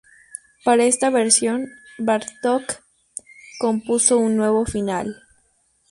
Para esta versión, Bartók compuso un nuevo final.